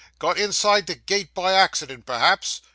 'Got inside the gate by accident, perhaps?